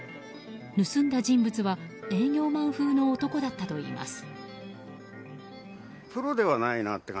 盗んだ人物は営業マン風の男だったといいます。